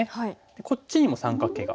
こっちにも三角形が。